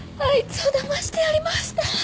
あいつをだましてやりました。